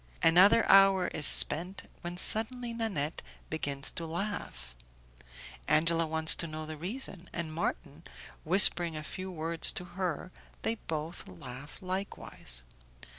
Another hour is spent, when suddenly Nanette begins to laugh, Angela wants to know the reason, and Marton whispering a few words to her, they both laugh likewise.